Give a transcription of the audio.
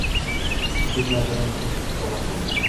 hech narsadan kursdamasman.